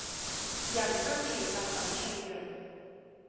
人生其實很脆弱